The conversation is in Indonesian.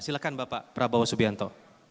silahkan bapak prabowo subianto